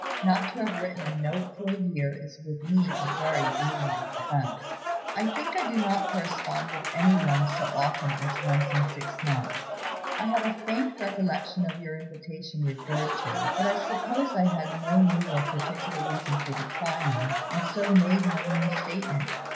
Not to have written a note for a year is with me a very venial offense. I think I do not correspond with any one so often as once in six months. I have a faint recollection of your invitation referred to; but I suppose I had no new or particular reason for declining, and so made no new statement.